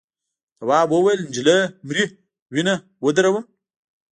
تواب وویل نجلۍ مري وینه ودروم.